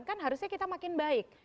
kan harusnya kita makin baik